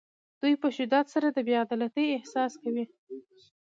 دوی په شدت سره د بې عدالتۍ احساس کوي.